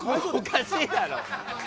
おかしいだろ！